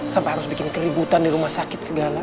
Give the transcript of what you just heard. sampai harus bikin keributan di rumah sakit segala